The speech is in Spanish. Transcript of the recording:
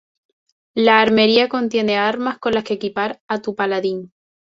La armería contiene armas con las que equipar a tu paladín.